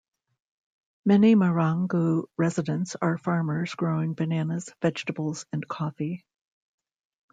Many Marangu residents are farmers growing bananas, vegetables and coffee.